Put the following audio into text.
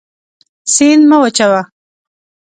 سیند مه وچوه.